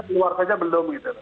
keluarga saja belum gitu